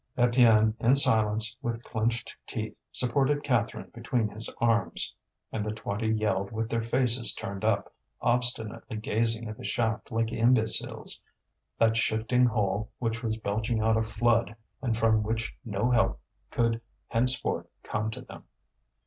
Étienne in silence, with clenched teeth, supported Catherine between his arms. And the twenty yelled with their faces turned up, obstinately gazing at the shaft like imbeciles, that shifting hole which was belching out a flood and from which no help could henceforth come to them.